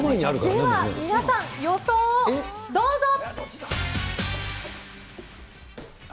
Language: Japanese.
では皆さん、予想をどうぞ。